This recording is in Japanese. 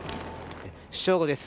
正午です。